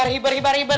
hibur hibur hibur